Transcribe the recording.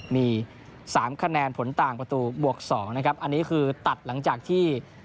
มี๓คะแนนผลต่างประตูบวก๒นะครับอันนี้คือตัดหลังจากที่